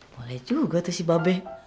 boleh juga tuh si babek